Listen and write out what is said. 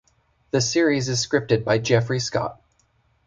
The series is scripted by Jeffery Scott.